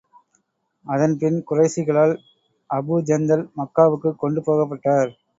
அதன் பின் குறைஷிகளால் அபூ ஜந்தல் மக்காவுக்குக் கொண்டு போகப்பட்டார்.